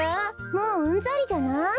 もううんざりじゃない？